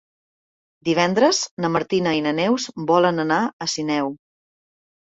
Divendres na Martina i na Neus volen anar a Sineu.